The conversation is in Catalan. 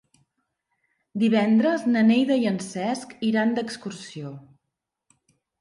Divendres na Neida i en Cesc iran d'excursió.